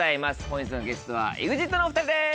本日のゲストはＥＸＩＴのお２人です。